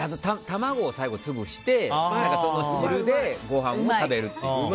卵を最後潰してその汁でご飯を食べるっていう。